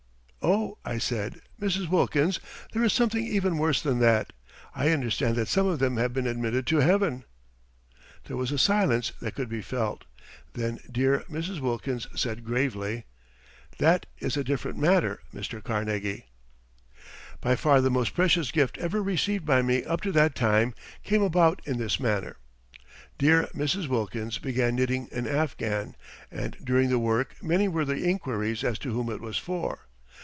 "Oh!" I said, "Mrs. Wilkins, there is something even worse than that. I understand that some of them have been admitted to heaven!" There was a silence that could be felt. Then dear Mrs. Wilkins said gravely: "That is a different matter, Mr. Carnegie." By far the most precious gift ever received by me up to that time came about in this manner. Dear Mrs. Wilkins began knitting an afghan, and during the work many were the inquiries as to whom it was for.